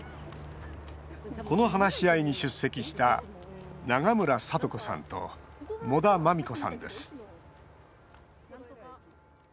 この話し合いに出席した長村さと子さんと茂田まみこさんです。